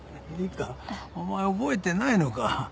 理花お前覚えてないのか。